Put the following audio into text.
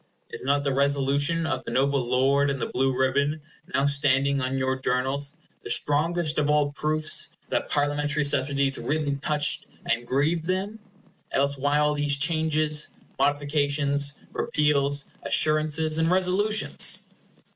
Is not the Resolution of the noble lord in the blue ribbon, now standing on your Journals, the strongest of all proofs that Parliamentary subsidies really touched and grieved them? Else why all these changes, modifications, repeals, assurances, and resolutions?